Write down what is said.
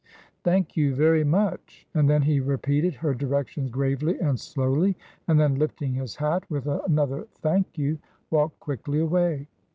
"Thank you very much;" and then he repeated her directions gravely and slowly; and then, lifting his hat with another "Thank you," walked quickly away.